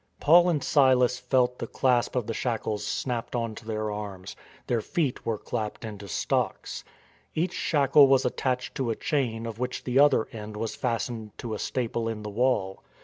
Paul and Silas felt the clasp of the shackles snapped on to their arms; their feet were clapped into stocks. Each shackle was attached to a chain of which the other end was fastened to a staple in the wall.